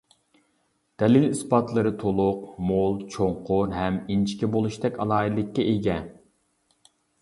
دەلىل-ئىسپاتلىرى تولۇق، مول، چوڭقۇر ھەم ئىنچىكە بولۇشتەك ئالاھىدىلىككە ئىگە.